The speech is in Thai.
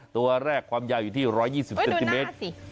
ตัวแรกความยาวอยู่ที่ร้อยยี่สิบเซนติเมตรดูหน้าสิ